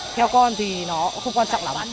theo con thì nó không quan trọng lắm